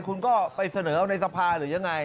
คุณก็ไปเสนออยู่ในสระภาพหรือยังไง